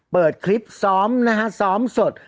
เปิดคลิปซ้อมนะฮะซ้อมสด